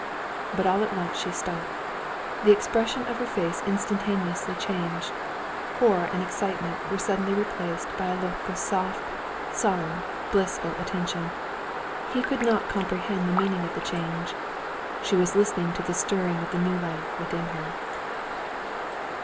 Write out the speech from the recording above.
But all at once she stopped. The expression of her face instantaneously changed. Horror and excitement were suddenly replaced by a look of soft, solemn, blissful attention. He could not comprehend the meaning of the change. She was listening to the stirring of the new life within her.